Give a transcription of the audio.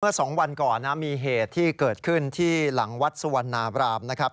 เมื่อสองวันก่อนนะมีเหตุที่เกิดขึ้นที่หลังวัดสวนรามนะครับ